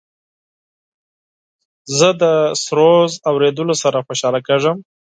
زه د موسيقۍ اوریدلو سره خوشحاله کیږم.